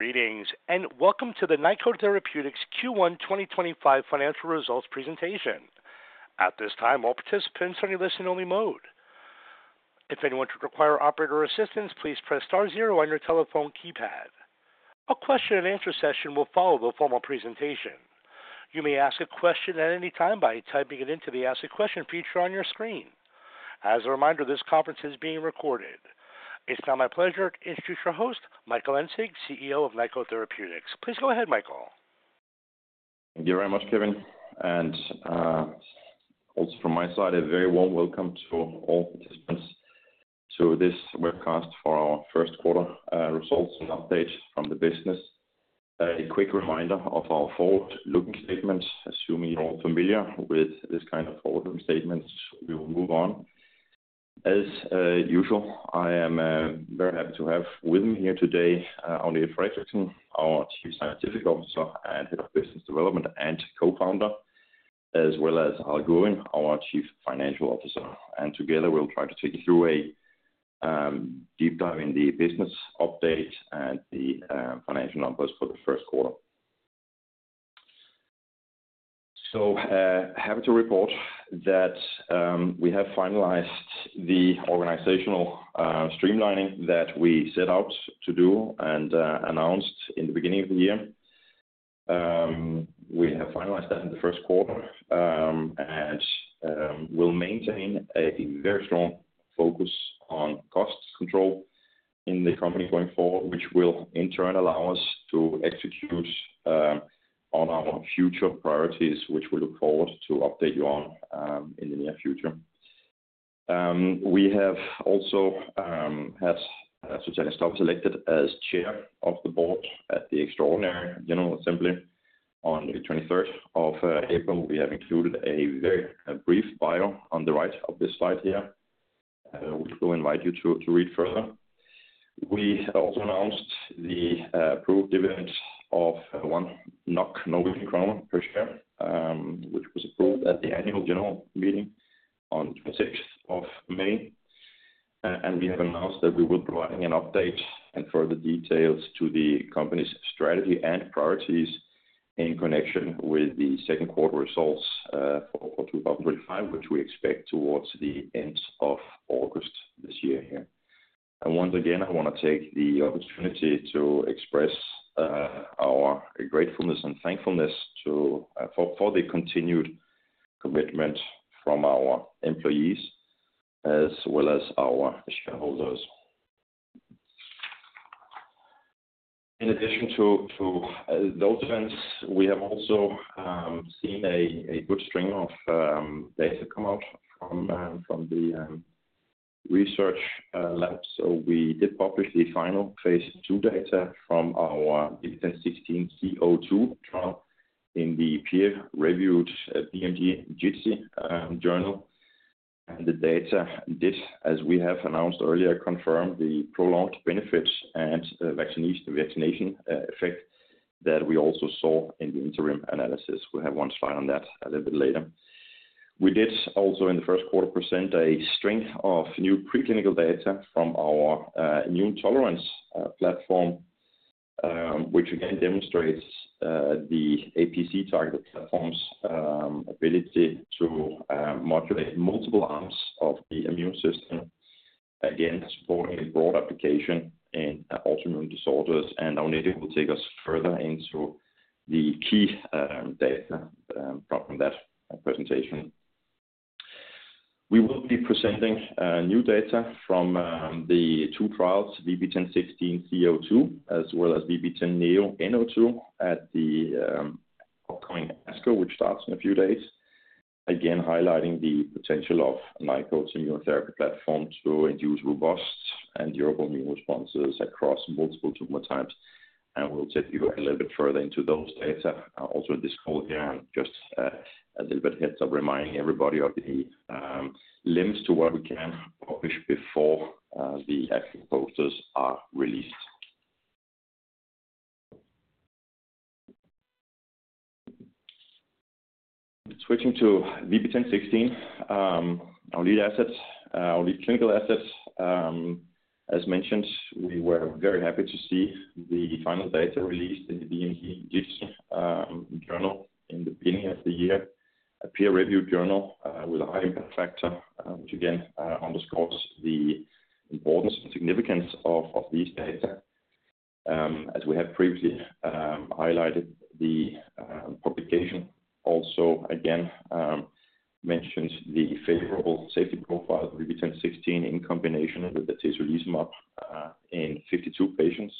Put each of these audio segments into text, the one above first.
Greetings, and welcome to the Nykode Therapeutics Q1 2025 Financial Results Presentation. At this time, all participants are in listen-only mode. If anyone should require operator assistance, please press star zero on your telephone keypad. A question-and-answer session will follow the formal presentation. You may ask a question at any time by typing it into the Ask a Question feature on your screen. As a reminder, this conference is being recorded. It is now my pleasure to introduce your host, Michael Engsig, CEO of Nykode Therapeutics. Please go ahead, Michael. Thank you very much, Kevin. Also from my side, a very warm welcome to all participants to this webcast for our first quarter results and updates from the business. A quick reminder of our forward-looking statements, assuming you are all familiar with this kind of forward-looking statements, we will move on. As usual, I am very happy to have with me here today, Agnete Fredriksen, our Chief Scientific Officer and Head of Business Development and Co-founder, as well as Harald Gurvin, our Chief Financial Officer. Together, we will try to take you through a deep dive in the business update and the financial numbers for the first quarter. Happy to report that we have finalized the organizational streamlining that we set out to do and announced in the beginning of the year. We have finalized that in the first quarter, and we'll maintain a very strong focus on cost control in the company going forward, which will, in turn, allow us to execute on our future priorities, which we look forward to update you on in the near future. We have also had Susanne Stuffers elected as Chair of the Board at the Extraordinary General Assembly on the 23rd of April. We have included a very brief bio on the right of this slide here, which we'll invite you to read further. We have also announced the approved dividend of 1 NOK, Norwegian krone per share, which was approved at the annual general meeting on the 26th of May. We have announced that we will be providing an update and further details to the company's strategy and priorities in connection with the second quarter results for 2025, which we expect towards the end of August this year. Once again, I want to take the opportunity to express our gratefulness and thankfulness for the continued commitment from our employees as well as our shareholders. In addition to those events, we have also seen a good stream of data come out from the research lab. We did publish the final phase II data from our VB10.16 C-02 trial in the peer-reviewed BMC JITC journal. The data did, as we have announced earlier, confirm the prolonged benefits and vaccination effect that we also saw in the interim analysis. We will have one slide on that a little bit later. We did also, in the first quarter, present a string of new preclinical data from our immune tolerance platform, which again demonstrates the APC targeted platform's ability to modulate multiple arms of the immune system against supporting a broad application in autoimmune disorders. Our meeting will take us further into the key data from that presentation. We will be presenting new data from the two trials, VB10.16 C-O2 as well as VB10.NEO N02, at the upcoming ASCO, which starts in a few days, again highlighting the potential of Nykode's immunotherapy platform to induce robust and durable immune responses across multiple tumor types. We will take you a little bit further into those data also in this call here, and just a little bit of a heads-up, reminding everybody of the limits to what we can publish before the actual posters are released. Switching to VB10.16, our lead asset, our lead clinical asset, as mentioned, we were very happy to see the final data released in the BMC JITC journal in the beginning of the year, a peer-reviewed journal with a high impact factor, which again underscores the importance and significance of these data. As we have previously highlighted, the publication also again mentioned the favorable safety profile of VB10.16 in combination with the T-cell easing up in 52 patients.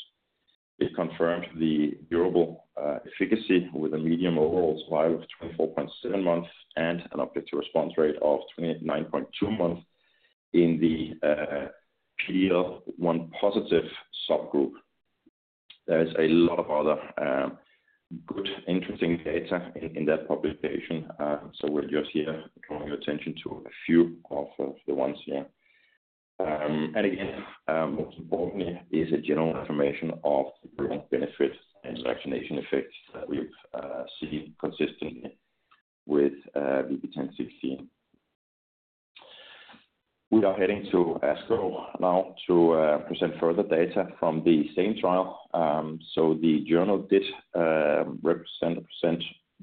It confirmed the durable efficacy with a median overall survival of 24.7 months and an objective response rate of 29% in the PD-L1 positive subgroup. There is a lot of other good, interesting data in that publication. We are just here drawing your attention to a few of the ones here. Again, most importantly, is a general information of the prolonged benefit and vaccination effects that we've seen consistently with VB10.16. We are heading to ASCO now to present further data from the same trial. The journal did present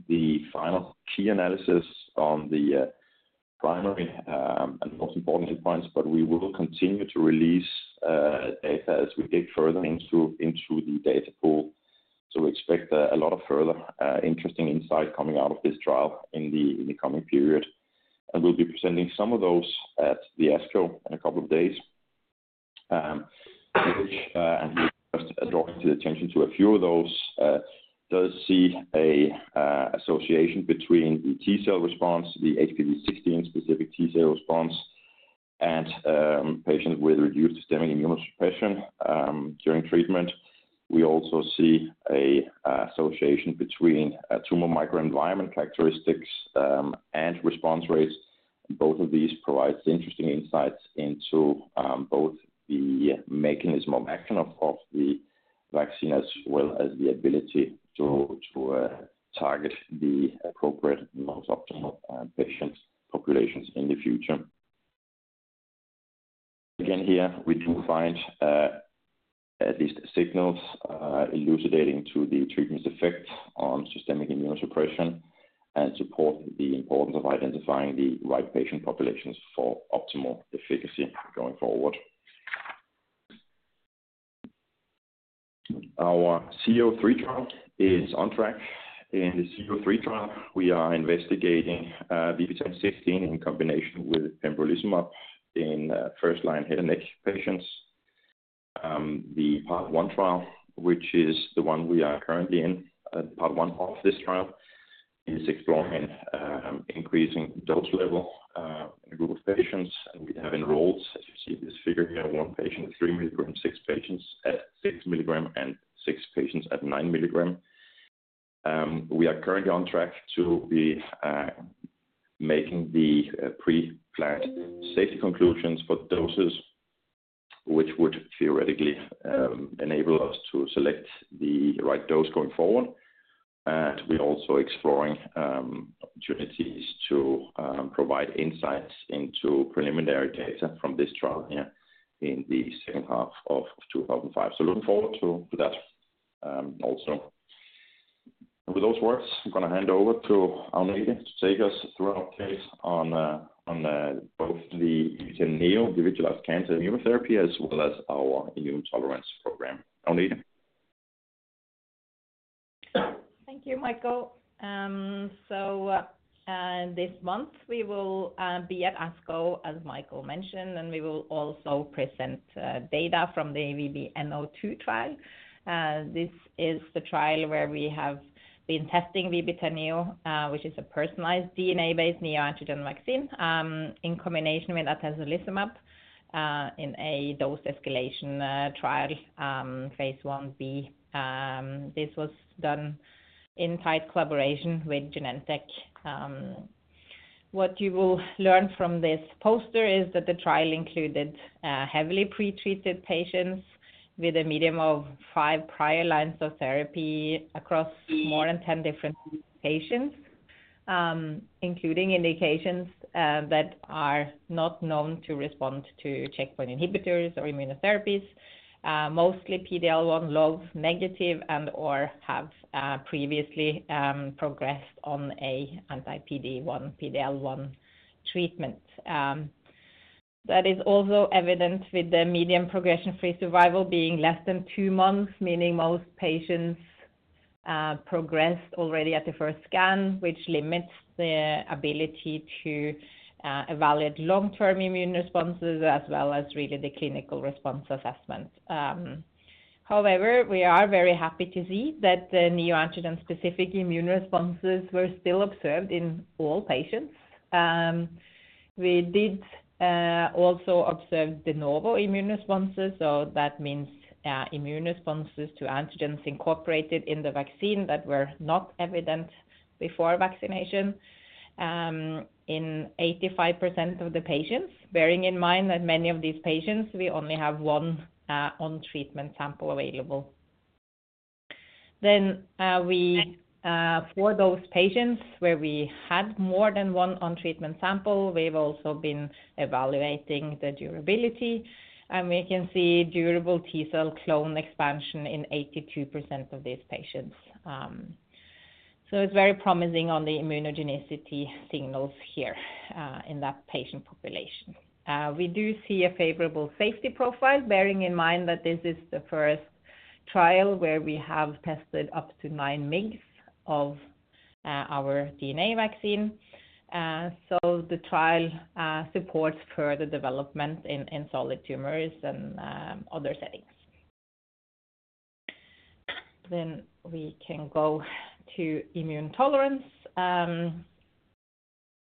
the final key analysis on the primary and most important end points, but we will continue to release data as we dig further into the data pool. We expect a lot of further interesting insight coming out of this trial in the coming period. We'll be presenting some of those at ASCO in a couple of days, which, and we'll just draw attention to a few of those, does see an association between the T-cell response, the HPV16 specific T-cell response, and patients with reduced systemic immunosuppression during treatment. We also see an association between tumor microenvironment characteristics and response rates. Both of these provide interesting insights into both the mechanism of action of the vaccine as well as the ability to target the appropriate most optimal patient populations in the future. Again, here, we do find at least signals elucidating to the treatment's effect on systemic immunosuppression and support the importance of identifying the right patient populations for optimal efficacy going forward. Our CO-3 trial is on track. In the CO-3 trial, we are investigating VB10.16 in combination with pembrolizumab in first-line head and neck patients. The part one trial, which is the one we are currently in, part one of this trial, is exploring increasing dose level in a group of patients. And we have enrolled, as you see in this figure here, one patient at 3 milligram, six patients at 6 milligram, and six patients at 9 milligram. We are currently on track to be making the pre-planned safety conclusions for doses, which would theoretically enable us to select the right dose going forward. We are also exploring opportunities to provide insights into preliminary data from this trial here in the second half of 2025. Looking forward to that, also. With those words, I am going to hand over to our leader to take us through our updates on both the VB10.NEO individualized cancer immunotherapy as well as our immune tolerance program. Our leader. Thank you, Michael. So, this month, we will be at ASCO, as Michael mentioned, and we will also present data from the VVB-N02 trial. This is the trial where we have been testing VB10.NEO, which is a personalized DNA-based neoantigen vaccine, in combination with atezolizumab, in a dose escalation trial, phase I B. This was done in tight collaboration with Genentech. What you will learn from this poster is that the trial included heavily pretreated patients with a median of five prior lines of therapy across more than 10 different patients, including indications that are not known to respond to checkpoint inhibitors or immunotherapies, mostly PD-L1 low or negative, and/or have previously progressed on an anti-PD-1 or PD-L1 treatment. That is also evident with the median progression-free survival being less than two months, meaning most patients progressed already at the first scan, which limits the ability to evaluate long-term immune responses as well as really the clinical response assessment. However, we are very happy to see that the neoantigen-specific immune responses were still observed in all patients. We did also observe de novo immune responses. That means immune responses to antigens incorporated in the vaccine that were not evident before vaccination, in 85% of the patients, bearing in mind that many of these patients, we only have one on-treatment sample available. For those patients where we had more than one on-treatment sample, we've also been evaluating the durability. We can see durable T-cell clone expansion in 82% of these patients. It is very promising on the immunogenicity signals here, in that patient population. We do see a favorable safety profile, bearing in mind that this is the first trial where we have tested up to 9 mg of our DNA vaccine. The trial supports further development in solid tumors and other settings. We can go to immune tolerance.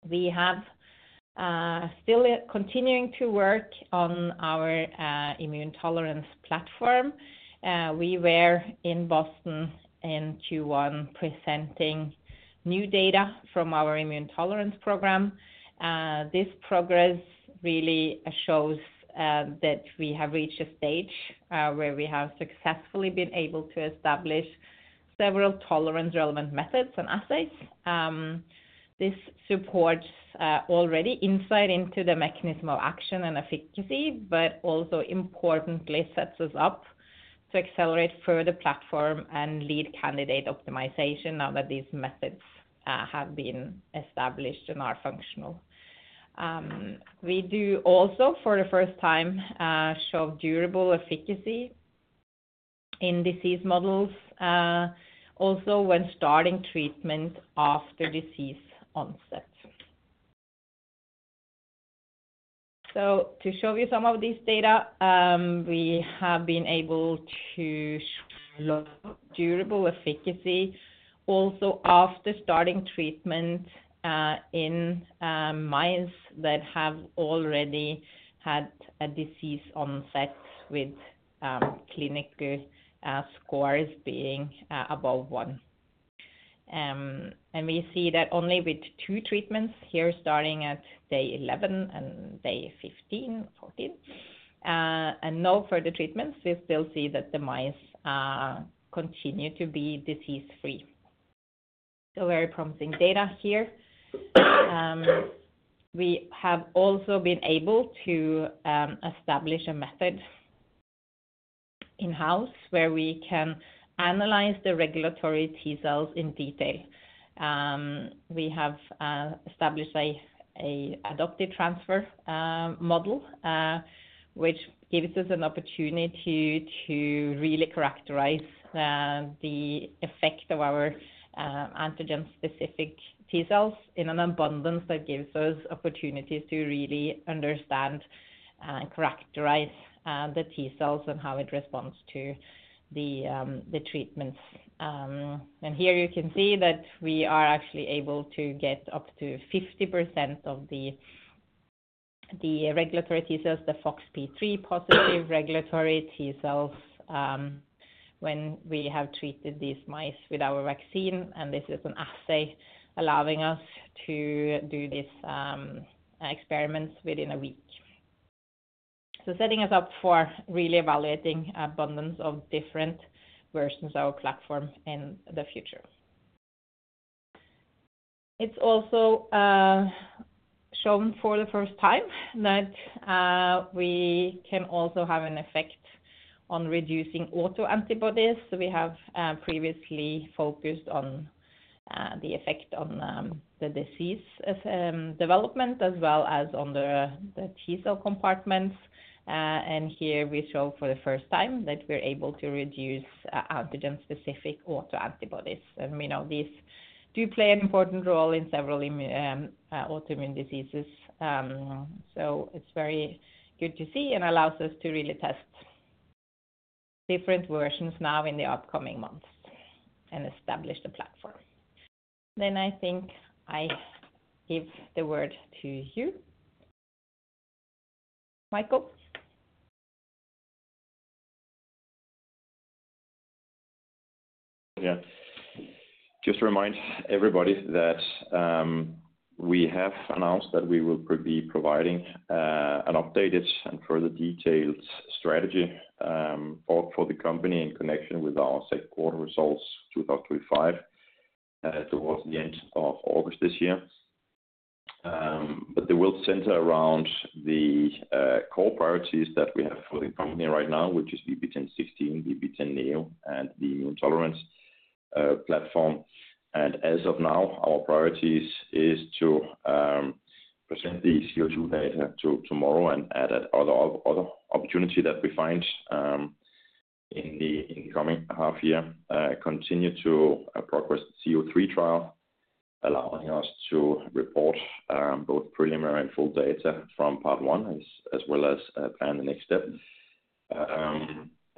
We have still continuing to work on our immune tolerance platform. We were in Boston in Q1 presenting new data from our immune tolerance program. This progress really shows that we have reached a stage where we have successfully been able to establish several tolerance-relevant methods and assets. This supports already insight into the mechanism of action and efficacy, but also importantly sets us up to accelerate further platform and lead candidate optimization now that these methods have been established and are functional. We do also, for the first time, show durable efficacy in disease models, also when starting treatment after disease onset. To show you some of this data, we have been able to show durable efficacy also after starting treatment in mice that have already had a disease onset with clinical scores being above one. We see that only with two treatments here, starting at day 11 and day 15, 14, and no further treatments, we still see that the mice continue to be disease-free. Very promising data here. We have also been able to establish a method in-house where we can analyze the regulatory T-cells in detail. We have established an adoptive transfer model, which gives us an opportunity to really characterize the effect of our antigen-specific T-cells in an abundance that gives us opportunities to really understand and characterize the T-cells and how it responds to the treatments. Here you can see that we are actually able to get up to 50% of the regulatory T-cells, the FOXP3 positive regulatory T-cells, when we have treated these mice with our vaccine. This is an assay allowing us to do these experiments within a week. Setting us up for really evaluating abundance of different versions of our platform in the future. It is also shown for the first time that we can also have an effect on reducing autoantibodies. We have previously focused on the effect on the disease development as well as on the T-cell compartments. Here we show for the first time that we're able to reduce antigen-specific autoantibodies. We know these do play an important role in several immune, autoimmune diseases. It is very good to see and allows us to really test different versions now in the upcoming months and establish the platform. I think I give the word to you, Michael. Yeah. Just to remind everybody that we have announced that we will be providing an updated and further detailed strategy for the company in connection with our second quarter results 2025, towards the end of August this year. They will center around the core priorities that we have for the company right now, which is VB10.16, VB10.NEO, and the immune tolerance platform. As of now, our priorities are to present the C-O2 data tomorrow and add that other opportunity that we find in the coming half year, continue to progress the C-O3 trial, allowing us to report both preliminary and full data from part one as well as plan the next step.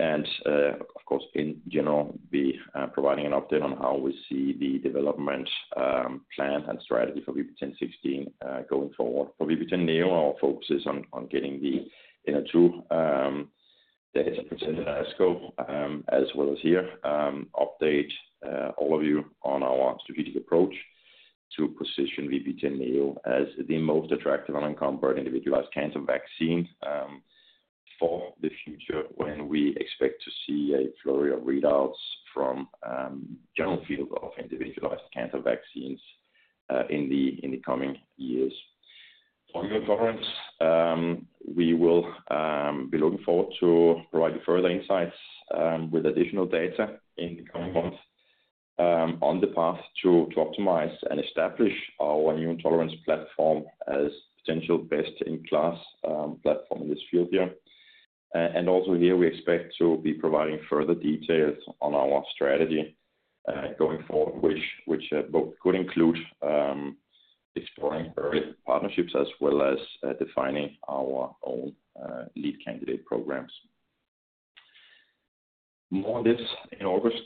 Of course, in general, we are providing an update on how we see the development plan and strategy for VB10.16 going forward. For VB10.NEO, our focus is on getting the NO2 data presented at ASCO, as well as here, update all of you on our strategic approach to position VB10.NEO as the most attractive and uncommon individualized cancer vaccine for the future when we expect to see a flurry of readouts from the general field of individualized cancer vaccines in the coming years. For immune tolerance, we will be looking forward to provide you further insights with additional data in the coming months on the path to optimize and establish our immune tolerance platform as potential best-in-class platform in this field here. Also here, we expect to be providing further details on our strategy going forward, which both could include exploring early partnerships as well as defining our own lead candidate programs. More on this in August.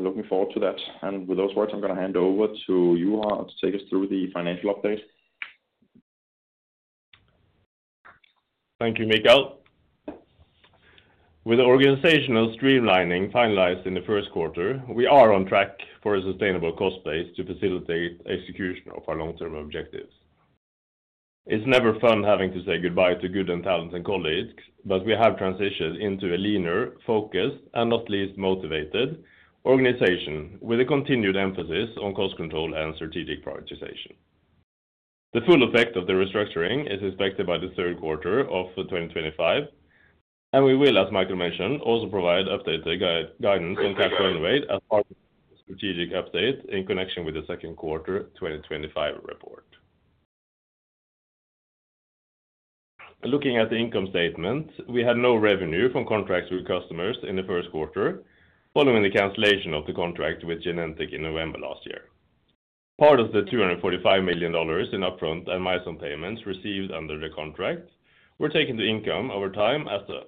Looking forward to that. With those words, I'm going to hand over to you, Harald, to take us through the financial update. Thank you, Michael. With the organizational streamlining finalized in the first quarter, we are on track for a sustainable cost base to facilitate execution of our long-term objectives. It's never fun having to say goodbye to good and talented colleagues, but we have transitioned into a leaner, focused, and not least motivated organization with a continued emphasis on cost control and strategic prioritization. The full effect of the restructuring is expected by the third quarter of 2025, and we will, as Michael mentioned, also provide updated guidance on cash flow and OpEx as part of the strategic update in connection with the second quarter 2025 report. Looking at the income statement, we had no revenue from contracts with customers in the first quarter following the cancellation of the contract with Genentech in November last year. Part of the $245 million in upfront and milestone payments received under the contract were taken to income over time as the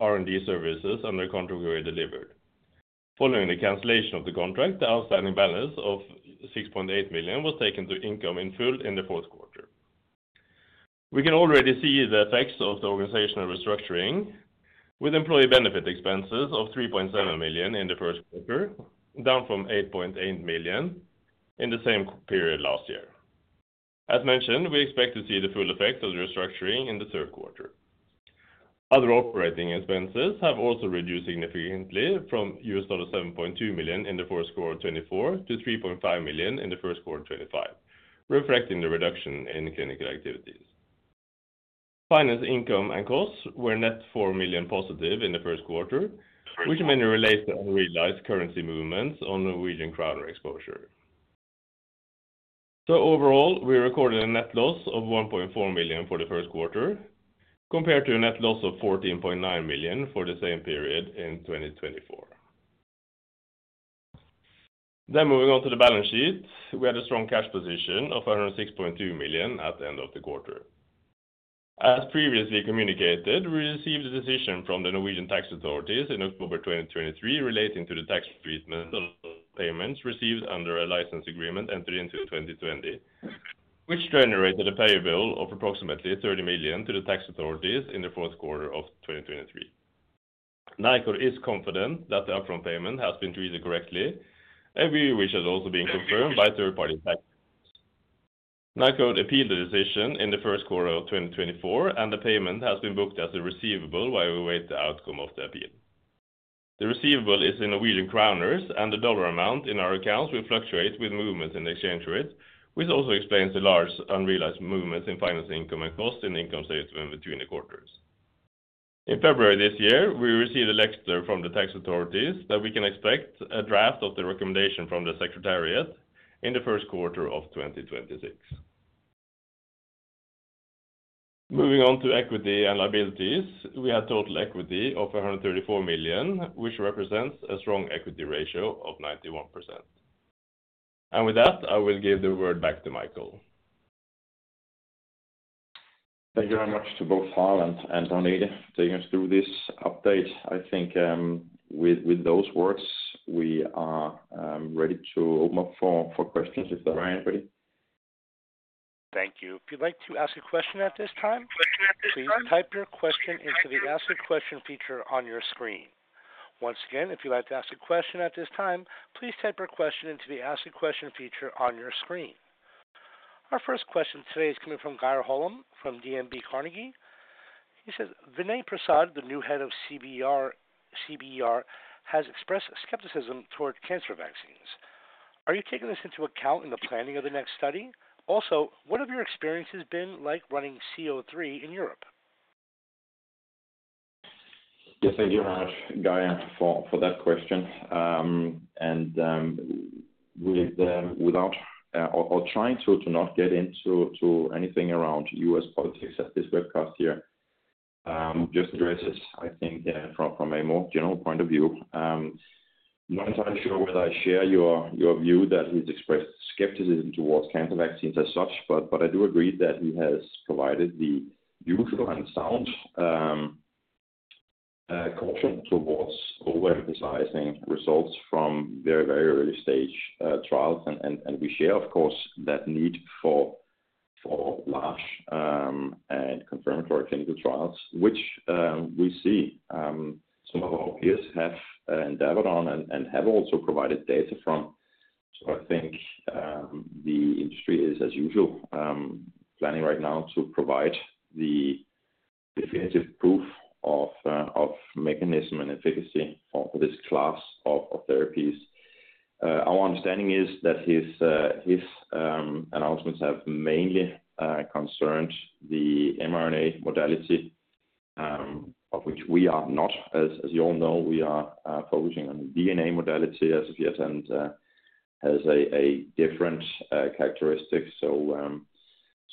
R&D services under contract were delivered. Following the cancellation of the contract, the outstanding balance of $6.8 million was taken to income in full in the fourth quarter. We can already see the effects of the organizational restructuring with employee benefit expenses of $3.7 million in the first quarter, down from $8.8 million in the same period last year. As mentioned, we expect to see the full effect of the restructuring in the third quarter. Other operating expenses have also reduced significantly from $7.2 million in the fourth quarter 2024 to $3.5 million in the first quarter 2025, reflecting the reduction in clinical activities. Finance income and costs were net $4 million positive in the first quarter, which mainly relates to unrealized currency movements on Norwegian krone exposure. Overall, we recorded a net loss of $1.4 million for the first quarter compared to a net loss of $14.9 million for the same period in 2023. Moving on to the balance sheet, we had a strong cash position of $106.2 million at the end of the quarter. As previously communicated, we received a decision from the Norwegian tax authorities in October 2023 relating to the tax treatment of payments received under a license agreement entered into in 2020, which generated a pay bill of approximately $30 million to the tax authorities in the fourth quarter of 2023. Nykode is confident that the upfront payment has been treated correctly, a view which has also been confirmed by third-party tax authorities. Nykode appealed the decision in the first quarter of 2024, and the payment has been booked as a receivable while we wait the outcome of the appeal. The receivable is in NOK, and the dollar amount in our accounts will fluctuate with movements in the exchange rate, which also explains the large unrealized movements in finance income and costs in the income statement between the quarters. In February this year, we received a letter from the tax authorities that we can expect a draft of the recommendation from the secretariat in the first quarter of 2026. Moving on to equity and liabilities, we had total equity of $134 million, which represents a strong equity ratio of 91%. With that, I will give the word back to Michael. Thank you very much to both Harald and Agnete for taking us through this update. I think, with those words, we are ready to open up for questions if there are anybody. Thank you. If you'd like to ask a question at this time, please type your question into the Ask a Question feature on your screen. Once again, if you'd like to ask a question at this time, please type your question into the Ask a Question feature on your screen. Our first question today is coming from Geir Holom from DNB Carnegie. He says, "Vinay Prasad, the new head of CBER, has expressed skepticism toward cancer vaccines. Are you taking this into account in the planning of the next study? Also, what have your experiences been like running C-O3 in Europe? Yes, thank you very much, Guy, for that question. Without trying to get into anything around U.S. politics at this webcast here, just address it, I think, from a more general point of view. Not entirely sure whether I share your view that he has expressed skepticism towards cancer vaccines as such, but I do agree that he has provided the usual and sound caution towards overemphasizing results from very, very early stage trials. We share, of course, that need for large and confirmatory clinical trials, which we see some of our peers have endeavored on and have also provided data from. I think the industry is, as usual, planning right now to provide the definitive proof of mechanism and efficacy for this class of therapies. Our understanding is that his announcements have mainly concerned the mRNA modality, of which we are not, as you all know, we are focusing on the DNA modality as of yet and has different characteristics.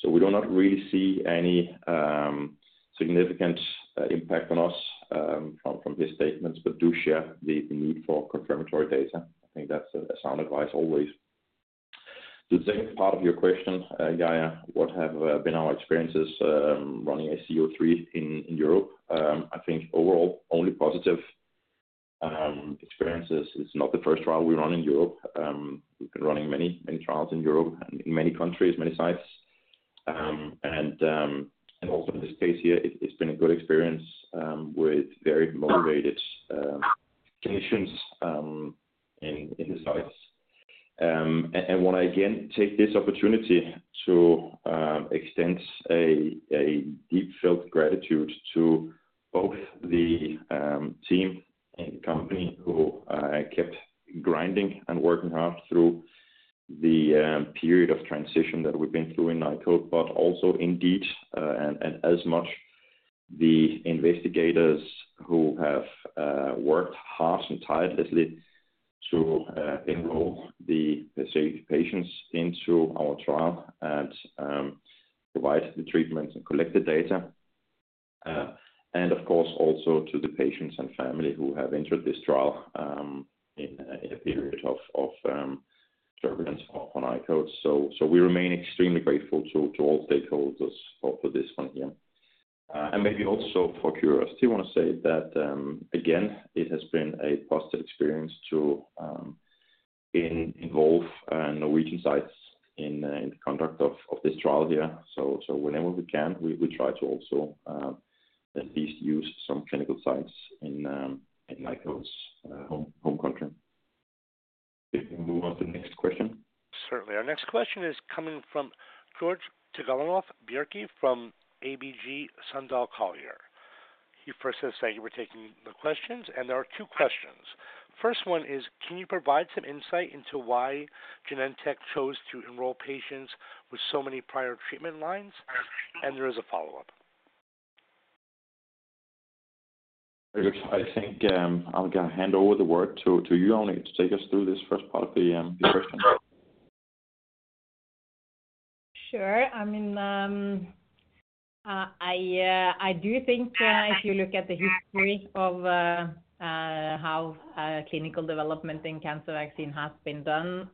We do not really see any significant impact on us from his statements, but do share the need for confirmatory data. I think that's a sound advice always. To the second part of your question, Guy, what have been our experiences running a C-O3 in Europe? I think overall only positive experiences. It's not the first trial we run in Europe. We've been running many trials in Europe and in many countries, many sites. Also in this case here, it's been a good experience, with very motivated clinicians in the sites. I want to again take this opportunity to extend a deep-felt gratitude to both the team and the company who kept grinding and working hard through the period of transition that we have been through in Nykode, but also indeed, and as much, the investigators who have worked hard and tirelessly to enroll the patients into our trial and provide the treatments and collect the data. Of course, also to the patients and family who have entered this trial in a period of turbulence for Nykode. We remain extremely grateful to all stakeholders for this one here. Maybe also for curiosity, I want to say that it has been a positive experience to involve Norwegian sites in the conduct of this trial here. Whenever we can, we try to also at least use some clinical sites in Nykode's home country. If we can move on to the next question. Certainly. Our next question is coming from Georg Tigalonov Bjerke from ABG Sundal Collier. He first says thank you for taking the questions, and there are two questions. First one is, can you provide some insight into why Genentech chose to enroll patients with so many prior treatment lines? There is a follow-up. I think I'm going to hand over the word to you, only to take us through this first part of the question. Sure. I mean, I do think, if you look at the history of how clinical development in cancer vaccine has been done,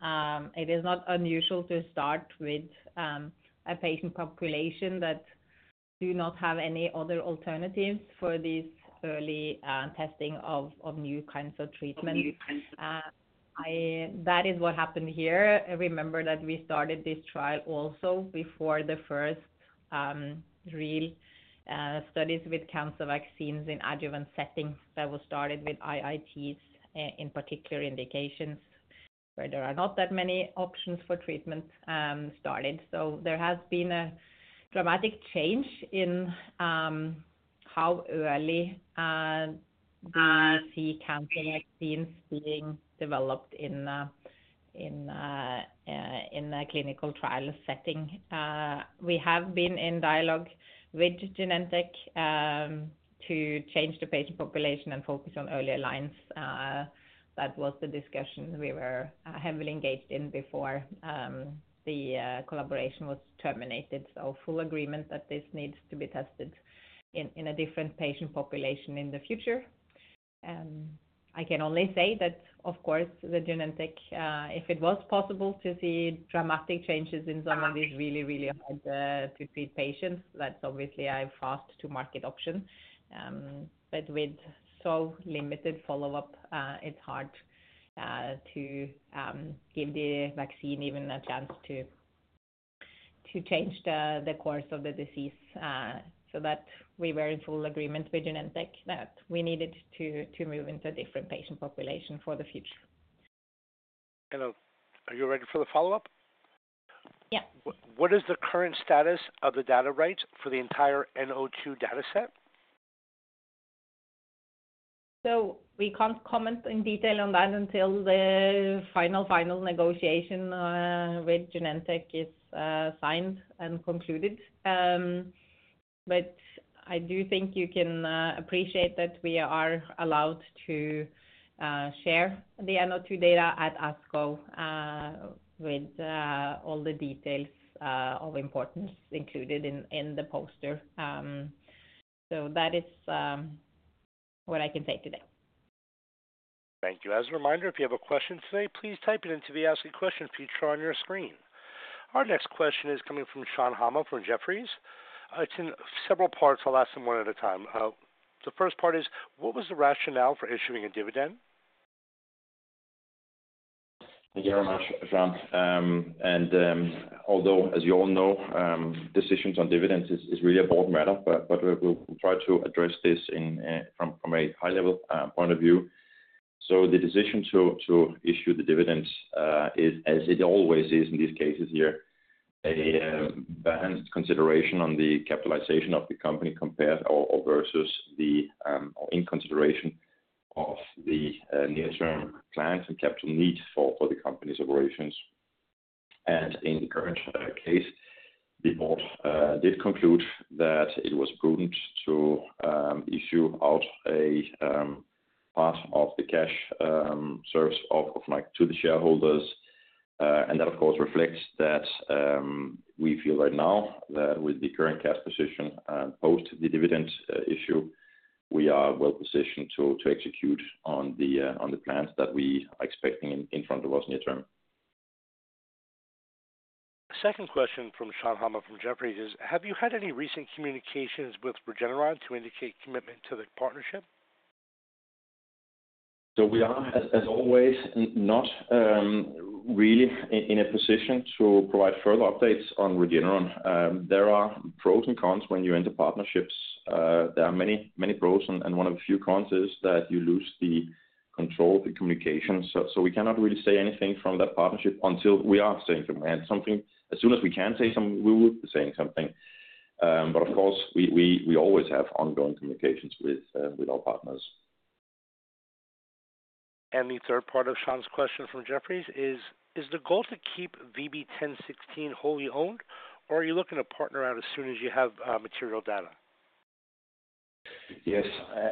it is not unusual to start with a patient population that do not have any other alternatives for this early testing of new kinds of treatments. That is what happened here. Remember that we started this trial also before the first real studies with cancer vaccines in adjuvant settings that were started with IITs, in particular indications where there are not that many options for treatment, started. There has been a dramatic change in how early we see cancer vaccines being developed in a clinical trial setting. We have been in dialogue with Genentech to change the patient population and focus on earlier lines. That was the discussion we were heavily engaged in before the collaboration was terminated. Full agreement that this needs to be tested in a different patient population in the future. I can only say that, of course, Genentech, if it was possible to see dramatic changes in some of these really, really hard to treat patients, that's obviously a fast-to-market option. But with so limited follow-up, it's hard to give the vaccine even a chance to change the course of the disease. We were in full agreement with Genentech that we needed to move into a different patient population for the future. Hello. Are you ready for the follow-up? Yeah. What is the current status of the data rate for the entire N-O2 dataset? We can't comment in detail on that until the final, final negotiation with Genentech is signed and concluded. I do think you can appreciate that we are allowed to share the N-O2 data at ASCO, with all the details of importance included in the poster. That is what I can say today. Thank you. As a reminder, if you have a question today, please type it into the Ask a Question feature on your screen. Our next question is coming from Shan Hama from Jefferies. It's in several parts. I'll ask them one at a time. The first part is, what was the rationale for issuing a dividend? Thank you very much, Shan. Although, as you all know, decisions on dividends is really a board matter, but we'll try to address this from a high-level point of view. The decision to issue the dividends is, as it always is in these cases here, a balanced consideration on the capitalization of the company compared or versus the, or in consideration of the near-term clients and capital needs for the company's operations. In the current case, the board did conclude that it was prudent to issue out a part of the cash service of Nykode to the shareholders. and that, of course, reflects that we feel right now that with the current cash position, post the dividends issue, we are well-positioned to execute on the plans that we are expecting in front of us near term. Second question from Shan Hama from Jefferies is, have you had any recent communications with Regeneron to indicate commitment to the partnership? We are, as always, not really in a position to provide further updates on Regeneron. There are pros and cons when you enter partnerships. There are many, many pros, and one of the few cons is that you lose the control of the communication. We cannot really say anything from that partnership until we are saying something. As soon as we can say something, we would be saying something. Of course, we always have ongoing communications with our partners. The third part of Shan's question from Jefferies is, is the goal to keep VB10.16 wholly owned, or are you looking to partner out as soon as you have material data? Yes.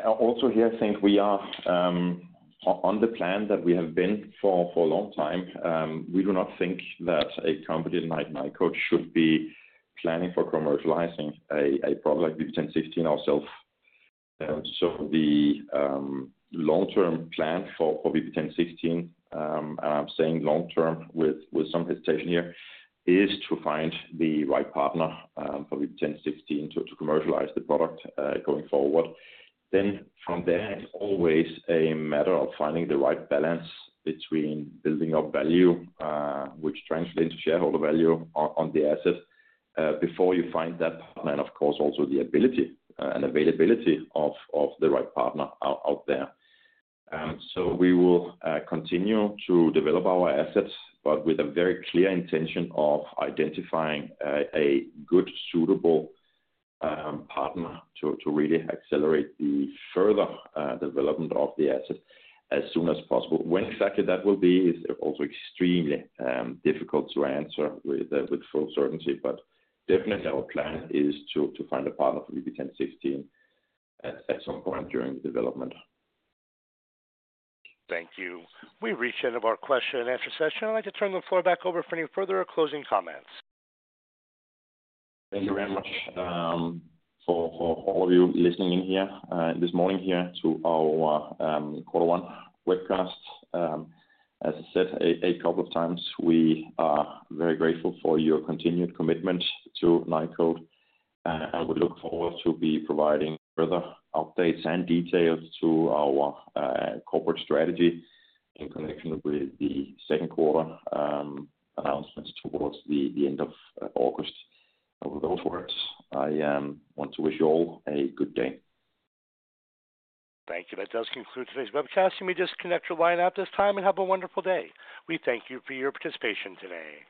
Also here, I think we are on the plan that we have been for a long time. We do not think that a company like Nykode should be planning for commercializing a product like VB10.16 ourselves. The long-term plan for VB10.16, and I'm saying long-term with some hesitation here, is to find the right partner for VB10.16 to commercialize the product going forward. From there, it's always a matter of finding the right balance between building up value, which translates to shareholder value on the asset before you find that partner, and of course, also the ability and availability of the right partner out there. We will continue to develop our assets, but with a very clear intention of identifying a good, suitable partner to really accelerate the further development of the asset as soon as possible. When exactly that will be is also extremely difficult to answer with full certainty, but definitely our plan is to find a partner for VB10.16 at some point during the development. Thank you. We reached the end of our question and answer session. I'd like to turn the floor back over for any further or closing comments. Thank you very much for all of you listening in here this morning here to our Code One webcast. As I said a couple of times, we are very grateful for your continued commitment to Nykode, and we look forward to be providing further updates and details to our corporate strategy in connection with the second quarter announcements towards the end of August. With those words, I want to wish you all a good day. Thank you. That does conclude today's webcast. You may disconnect your line at this time and have a wonderful day. We thank you for your participation today.